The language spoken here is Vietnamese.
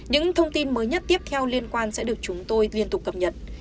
những thông tin mới nhất tiếp theo liên quan sẽ được chúng tôi liên tục cập nhật